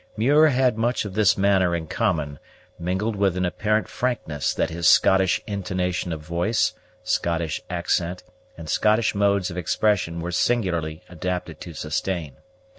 Muir had much of this manner in common, mingled with an apparent frankness that his Scottish intonation of voice, Scottish accent, and Scottish modes of expression were singularly adapted to sustain.